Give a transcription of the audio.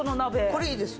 これいいですね。